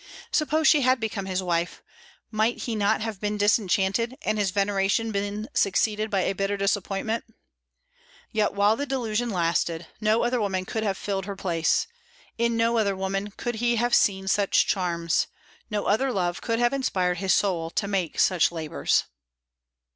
Suppose she had become his wife, might he not have been disenchanted, and his veneration been succeeded by a bitter disappointment? Yet, while the delusion lasted, no other woman could have filled her place; in no other woman could he have seen such charms; no other love could have inspired his soul to make such labors.